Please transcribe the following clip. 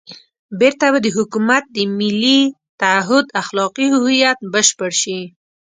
بېرته به د حکومت د ملي تعهُد اخلاقي هویت بشپړ شي.